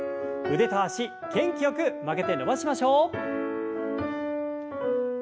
腕と脚元気よく曲げて伸ばしましょう。